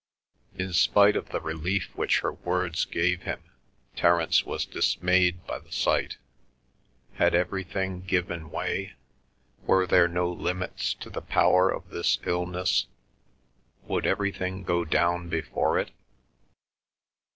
In spite of the relief which her words gave him, Terence was dismayed by the sight; had everything given way? Were there no limits to the power of this illness? Would everything go down before it?